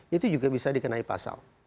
itu juga bisa dikenai pasal